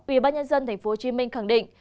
ubnd tp hcm khẳng định